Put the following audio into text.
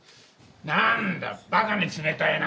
なんだバカに冷たいな。